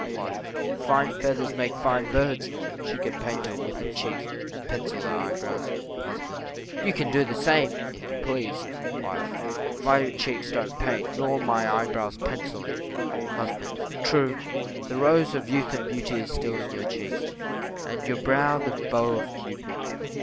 Wife. Fine feathers make fine birds; she can paint her withered cheeks, and pencil her eyebrows. Husband. You can do the same, if you please. Wife. My cheeks don't want paint, nor my eyebrows pencilling. Husband. True; the rose of youth and beauty is still on your cheeks, and your brow the bow of Cupid.